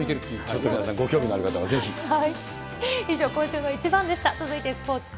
ちょっとご興味のある方はぜ以上、今週のイチバンでした。